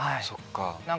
そっか。